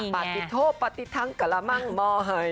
ปะติโทปะติทังกะละมังมอเฮ้ย